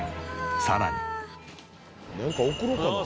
さらに。